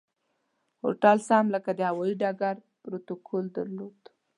هوټل سم لکه د هوایي ډګر پروتوکول درلود.